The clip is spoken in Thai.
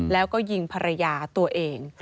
แล้วก็ยิงภรรยาตัวเอง